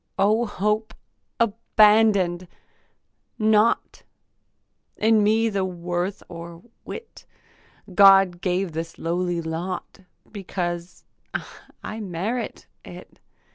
O hope abandon'd! Not In me the worth or wit. God gave this lowly lot Because I merit it.